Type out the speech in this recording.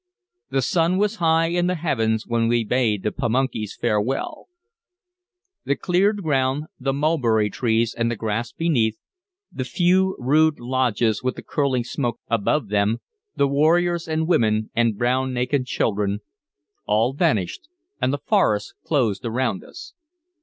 The sun was high in the heavens when we bade the Pamunkeys farewell. The cleared ground, the mulberry trees, and the grass beneath, the few rude lodges with the curling smoke above them, the warriors and women and brown naked children, all vanished, and the forest closed around us.